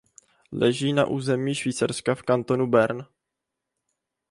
Leží na území Švýcarska v kantonu Bern.